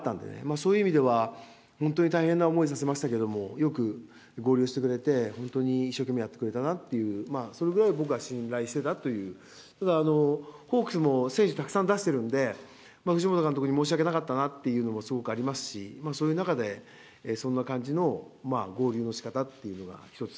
そういう意味では、本当に大変な思いさせましたけれども、よく合流してくれて、本当に一生懸命やってくれたなっていう、それぐらい僕は信頼してたという、ただ、ホークスも選手たくさん出してるんで、監督にすごい申し訳なかったなっていうのもすごくありますし、そういう中で、そんな感じの合流のしかたっていうのが一つ。